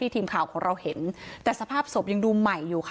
ทีมข่าวของเราเห็นแต่สภาพศพยังดูใหม่อยู่ค่ะ